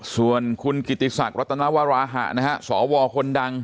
ส่วนคุณกิติศักดิ์รัตนวราหะนะฮะสวคนดัง